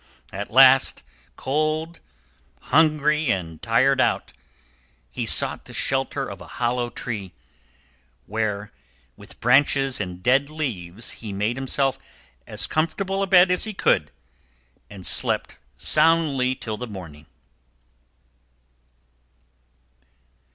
At last, cold, hungry, and tired out, he sought the shelter of a hollow tree, where with branches and dead leaves he made himself as comfortable a bed as he could, and slept soundly till the morning.